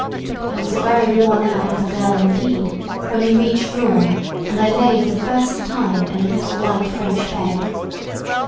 I was a very worn out little girl indeed when we reached Rouen and I lay for the first time in a little white French bed.